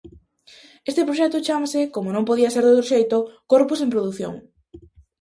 Este proxecto chámase, como non podía ser doutro xeito, "Corpos en produción".